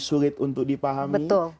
sulit untuk dipahami betul